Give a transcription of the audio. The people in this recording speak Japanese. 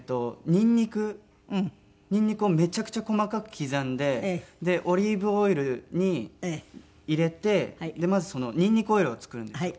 ニンニクニンニクをめちゃくちゃ細かく刻んでオリーブオイルに入れてまずニンニクオイルを作るんですよ。